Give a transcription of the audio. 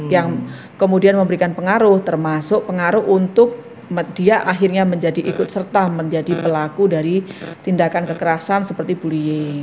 yang kemudian memberikan pengaruh termasuk pengaruh untuk dia akhirnya menjadi ikut serta menjadi pelaku dari tindakan kekerasan seperti bullying